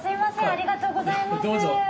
ありがとうございます。